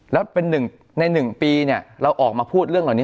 แล้วเป็นหนึ่งใน๑ปีเราออกมาพูดเรื่องเหล่านี้